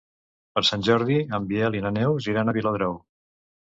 Per Sant Jordi en Biel i na Neus iran a Viladrau.